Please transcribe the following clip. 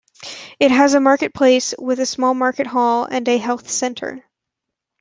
It has a market place with a small market hall and a health centre.